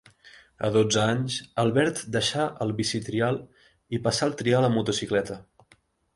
A dotze anys, Albert deixà el bicitrial i passà al trial en motocicleta.